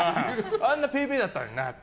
あんなペーペーだったのになって。